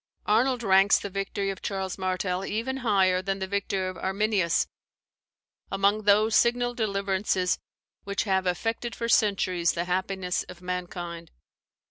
] Arnold ranks the victory of Charles Martel even higher than the victory of Arminius, "among those signal deliverances which have affected for centuries the happiness of mankind."